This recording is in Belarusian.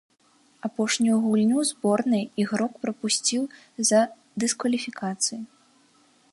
Апошнюю гульню зборнай ігрок прапусціў за дыскваліфікацыі.